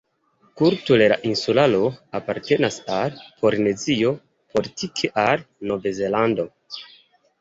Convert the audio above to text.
Kulture la insularo apartenas al Polinezio, politike al Nov-Zelando.